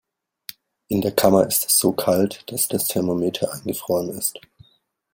In der Kammer ist es so kalt, dass das Thermometer eingefroren ist.